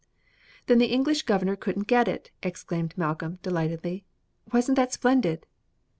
"Then the English governor couldn't get it!" exclaimed Malcolm, delightedly. "Wasn't that splendid?"